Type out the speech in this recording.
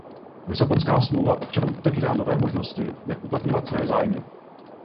Lisabonská smlouva občanům otevírá nové možnosti, jak uplatňovat své zájmy.